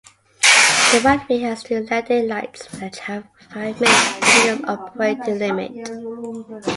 The right wing has two landing lights, which have a five-minute continuous operating limit.